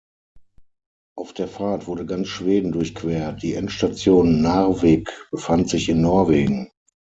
Auf der Fahrt wurde ganz Schweden durchquert, die Endstation Narvik befand sich in Norwegen.